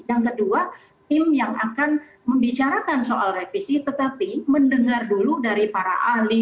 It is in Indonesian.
yang kedua tim yang akan membicarakan soal revisi tetapi mendengar dulu dari para ahli